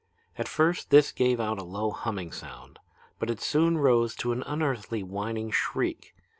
At first this gave out a low humming sound, but it soon rose to an unearthly whining shriek.